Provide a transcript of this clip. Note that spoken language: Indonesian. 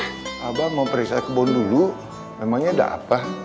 hebat mau periksa ekip men dulu memangnya ada apa